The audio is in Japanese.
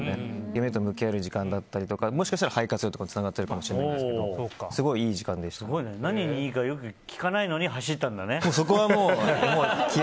夢と向き合える時間だったりとかもしかしたら肺活量とかつながっているかもしれないですけどすごいね何にいいか聞かないのに走ったんだね。